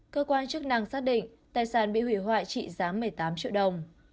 cơ quan chức năng xác định tài sản bị hủy hoại trị giá một mươi tám triệu đồng